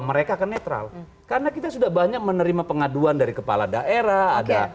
mereka akan netral karena kita sudah banyak menerima pengaduan dari kepala daerah ada